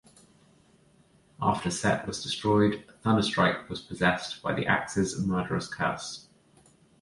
After Set was destroyed, Thunderstrike was possessed by the axe's murderous curse.